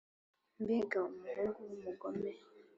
Mbega umuhungo w’umugome